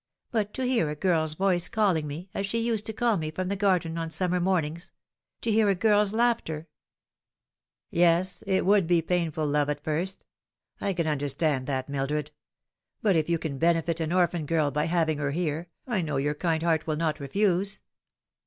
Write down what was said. But to hear a girl's voice calling me as she used to call me from the garden on summer mornings to hear a girl'a laughter "" Yes, it would be painful, love, at first. I can understand that, Mildred. But if you can benefit an orphan girl by having her here, I know your kind heart will not refuse.